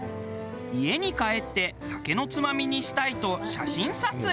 家に帰って酒のつまみにしたいと写真撮影。